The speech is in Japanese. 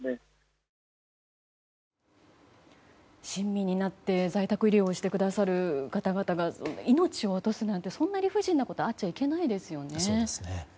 親身になって在宅医療をしてくださる方々が命を落とすなんてそんな理不尽なことがあっちゃいけないですよね。